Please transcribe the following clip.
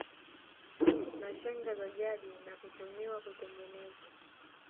na shanga za jadi na kutumiwa kutengeneza